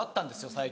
最近。